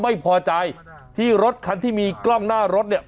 เปิดไฟขอทางออกมาแล้วอ่ะ